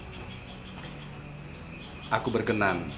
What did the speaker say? dan saya berkenan